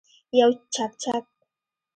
یو چکچک